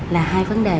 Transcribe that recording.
là hai vấn đề